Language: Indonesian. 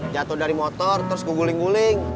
jatuh dari motor terus keguling guling